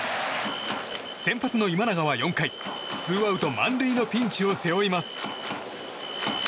先発の今永は４回ツーアウト満塁のピンチを背負います。